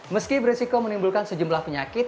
meski berisiko menimbulkan sejumlah penyakit